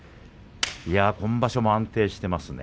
今場所も安定していますね。